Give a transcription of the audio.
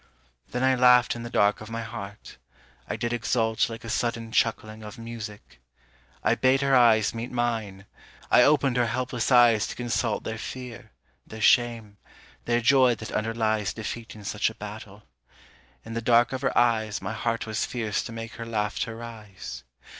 Then I laughed in the dark of my heart, I did exult Like a sudden chuckling of music. I bade her eyes Meet mine, I opened her helpless eyes to consult Their fear, their shame, their joy that underlies Defeat in such a battle. In the dark of her eyes My heart was fierce to make her laughter rise.